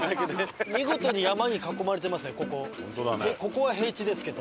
ここは平地ですけど。